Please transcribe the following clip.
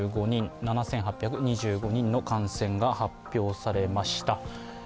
７８２５人の感染が発表されました。